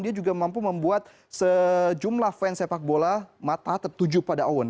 dia juga mampu membuat sejumlah fans sepak bola mata tertuju pada owen